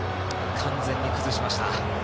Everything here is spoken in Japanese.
完全に崩しました。